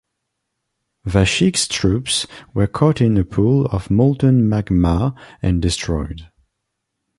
Vashik's troops were caught in a pool of molten magma and destroyed.